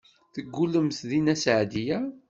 Teggullemt deg Nna Seɛdiya.